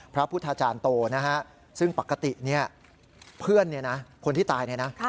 พระพุทธาจารย์โตซึ่งปกติเพื่อนคนที่ตายไหนนะ